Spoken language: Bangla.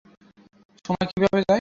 সময় কিভাবে যায়।